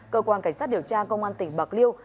cơ quan cảnh sát điều tra công an tỉnh bạc liêu